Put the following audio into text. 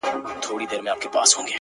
نورو ته مي شا کړې ده تاته مخامخ یمه-